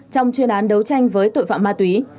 trong chuyên án đấu tranh với tội phạm ma túy